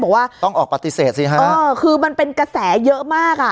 บอกว่าต้องออกปฏิเสธสิฮะเออคือมันเป็นกระแสเยอะมากอ่ะ